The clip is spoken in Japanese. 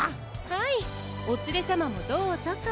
はいおつれさまもどうぞと。